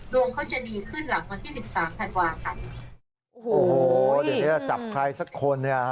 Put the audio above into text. ดวงเขาจะดีขึ้นหลังวันที่สิบสามธันวาคมโอ้โหเดี๋ยวเนี้ยจับใครสักคนเนี่ย